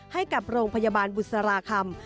ให้กับโรงพยาบาลบุษราคำ